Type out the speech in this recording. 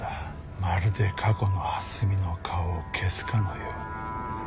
まるで過去の蓮見の顔を消すかのように。